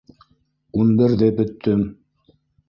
— Ун берҙе бөттөм.